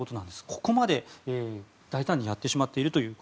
ここまで大胆にやってしまっていると。